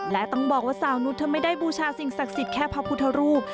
และต้องบอกว่าสาวนุษย์เธอไม่ได้บูชาสิ่งศักดิ์สิทธิ์แค่พระพุทธรูป